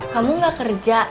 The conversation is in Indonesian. kamu gak kerja